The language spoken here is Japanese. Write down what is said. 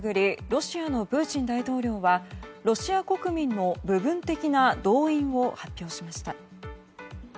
ロシアのプーチン大統領はロシア国民の部分的な動員を発表しました。